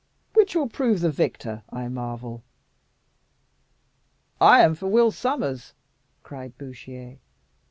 Which will prove the victor, I marvel?" "I am for Will Sommers," cried Bouchier.